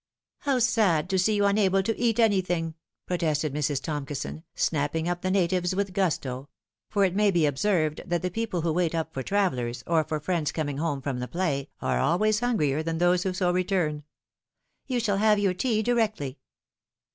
" How sad to see you unable to eat anything 1" protested 154 The Fatal Three. Mrs. Tomkison, snapping up the natives with gusto ; for it may be observed that the people who wait up for travellers, or for friends coming home from the play, are always hungrier than those who so return. " You shall have your tea directly."